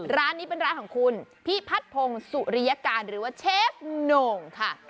ร้านนี้เป็นร้านของคุณพี่พัดพงศุริยการหรือว่าเชฟโหน่งค่ะ